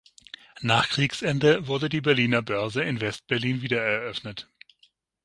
Nach Kriegsende wurde die Berliner Börse in Westberlin wiedereröffnet.